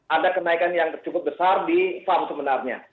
ada kenaikan yang cukup besar di farm sebenarnya